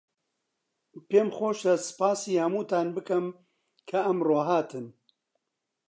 پێم خۆشە سپاسی هەمووتان بکەم کە ئەمڕۆ هاتن.